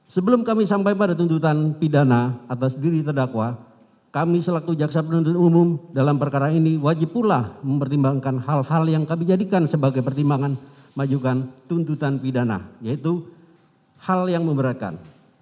sebelum kami sampai pada tuntutan pidana atas diri terdakwa kami selaku jaksa penuntut umum dalam perkara ini wajib pula mempertimbangkan hal hal yang kami jadikan sebagai pertimbangan majukan tuntutan pidana yaitu hal yang memberatkan